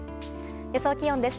予想気温です。